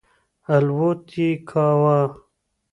الوت یې کاوه.